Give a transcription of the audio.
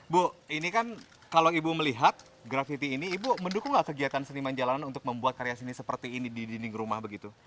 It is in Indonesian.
bu ini kan kalau ibu melihat grafiti ini ibu mendukung nggak kegiatan seniman jalanan untuk membuat karya seni seperti ini di dinding rumah begitu